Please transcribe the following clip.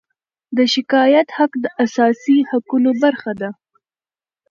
د شکایت حق د اساسي حقونو برخه ده.